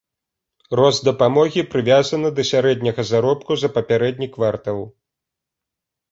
Рост дапамогі прывязаны да сярэдняга заробку за папярэдні квартал.